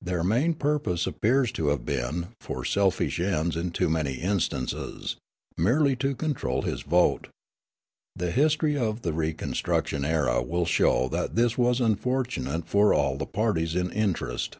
Their main purpose appears to have been, for selfish ends in too many instances, merely to control his vote. The history of the reconstruction era will show that this was unfortunate for all the parties in interest.